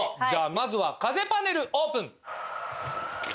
じゃあまずは風パネルオープン。